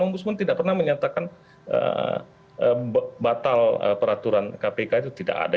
om busman tidak pernah menyatakan batal peraturan kpk itu tidak ada